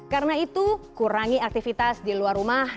karena itu kurangi aktivitas di luar rumah